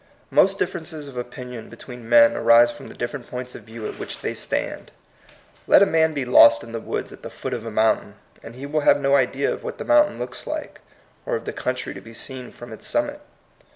Most differences of opinion between men arise from the different points of view at which they stand. Let a man be lost in the woods at the foot of a mountain, and he will have no idea of what the mountain looks like, or of the country to be seen from its sunmiit.